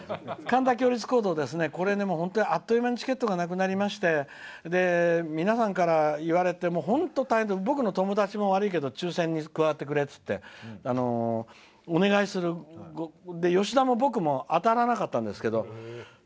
これ、本当にあっという間にチケットがなくなりまして皆さんから言われて本当に大変で僕の友達も抽せんに加わってくれってお願いする、吉田も僕も当たらなかったんですけど